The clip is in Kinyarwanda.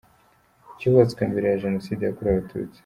Cyubatswe mbere ya jenoside yakorewe abatutsi.